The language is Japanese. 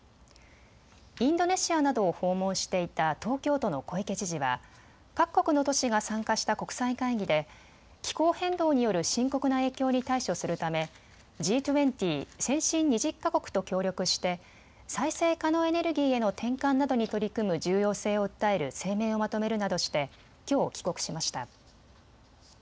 インドネシアなどを訪問していた東京都の小池知事は各国の都市が参加した国際会議で気候変動による深刻な影響に対処するためＧ２０・先進２０か国と協力して再生可能エネルギーへの転換などに取り組む重要性を訴える声明をまとめるなどしてきょう帰国しました。